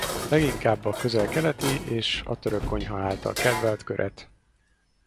Leginkább a közel-keleti és a török konyha által kedvelt köret.